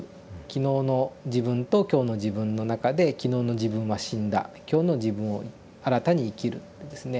昨日の自分と今日の自分の中で昨日の自分は死んだ今日の自分を新たに生きるっていうですね。